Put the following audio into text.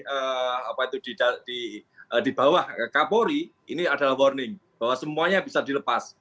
apa itu di bawah kapolri ini adalah warning bahwa semuanya bisa dilepas